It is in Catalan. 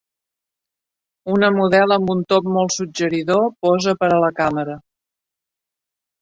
Una model amb un top molt suggeridor posa per a la càmera